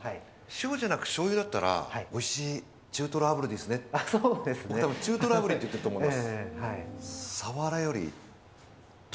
塩じゃなくしょうゆだったら、おいしい中トロあぶりですねって、たぶん、中トロあぶりって言ってると思います。